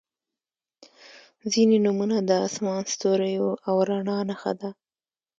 • ځینې نومونه د آسمان، ستوریو او رڼا نښه ده.